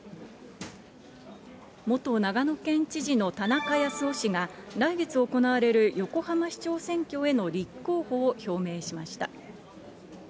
元長野県知事の田中康夫氏が、来月行われる横浜市長選挙への立候補を表明しました。